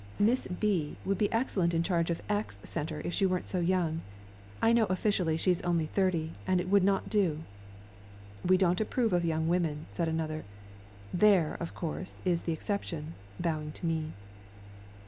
"Miss B would be excellent in charge of X centre if she weren't so young. I know officially she is only thirty, and it would not do." "We don't approve of young women," said another. "There, of course, is the exception," bowing to me.